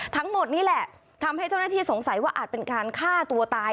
ทั้งหมดนี่แหละทำให้เจ้าหน้าที่สงสัยว่าอาจเป็นการฆ่าตัวตาย